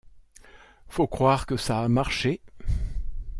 Faut croire que ça a marché. ..